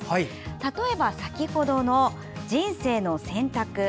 例えば先ほどの「人生の選択」